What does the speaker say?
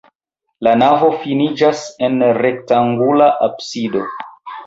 La navo finiĝas en rektangula absido.